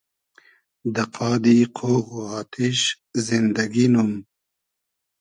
دۂ قادی قۉغ و آتیش زیندئگی نوم